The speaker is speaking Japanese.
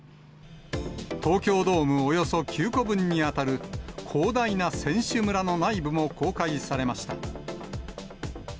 東京ドームおよそ９個分に当たる広大な選手村の内部も公開されました。